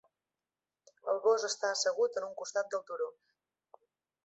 El gos està assegut en un costat del turó.